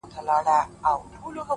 مثبت ذهن روښانه راتلونکی ویني!